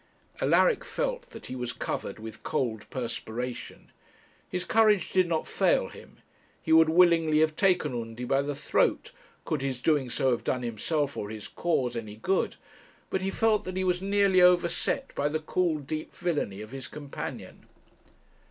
Alaric felt that he was covered with cold perspiration. His courage did not fail him; he would willingly have taken Undy by the throat, could his doing so have done himself or his cause any good; but he felt that he was nearly overset by the cool deep villany of his companion.